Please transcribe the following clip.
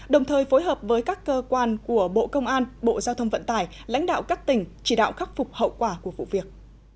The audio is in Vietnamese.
đồng thời phối hợp với các cơ quan của bộ công an bộ giao thông vận tải lãnh đạo các tỉnh chỉ đạo khắc phục hậu quả của vụ việc